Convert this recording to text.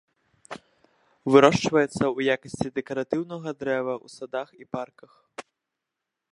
Вырошчваецца ў якасці дэкаратыўнага дрэва ў садах і парках.